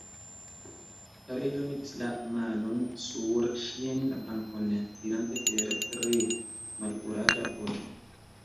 La Reĝo metis la manon sur ŝian brakon, dirante per tre malkuraĝa voĉo.